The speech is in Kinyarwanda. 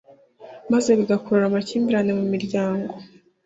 maze bigakurura amakimbirane mu miryango